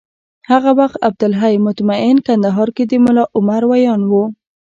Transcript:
هغه وخت عبدالحی مطمین کندهار کي د ملا عمر ویاند و